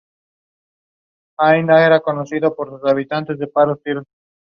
These were the only songs from the project to be included on the album.